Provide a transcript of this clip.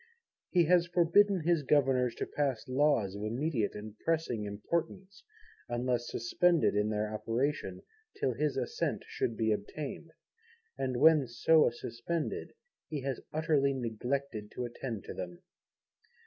He has forbidden his Governors to pass Laws of immediate and pressing importance, unless suspended in their operation till his Assent should be obtained; and when so suspended, he has utterly neglected to attend to them.